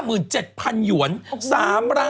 คุณหมอโดนกระช่าคุณหมอโดนกระช่า